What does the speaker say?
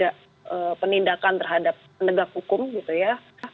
jadi itu adalah penindakan terhadap penegak hukum gitu ya